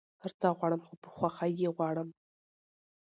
هر څه غواړم خو په خوښی يي غواړم